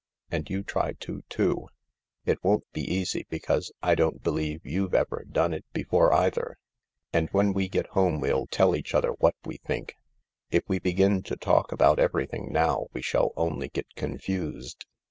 And you try to, too. It won't be easy, because I don't believe you've ever done it before either. And when we get home we'll tell each other what we think. If we begin to talk about everything now we shall only get confused.